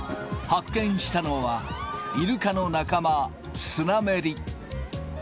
発見したのは、イルカの仲間、スナメリ。